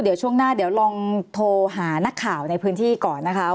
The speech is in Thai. เดี๋ยวช่วงหน้าเดี๋ยวลองโทรหานักข่าวในพื้นที่ก่อนนะคะ